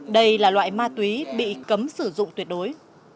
đây là loại ma túy bị cấm sử dụng tuyệt đối